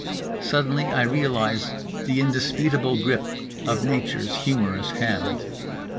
Suddenly I realize the indisputable grip of nature's humorous hand.